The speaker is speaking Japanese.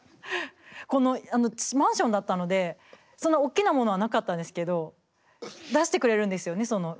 マンションだったのでそんなおっきなものはなかったんですけど出してくれるんですよね。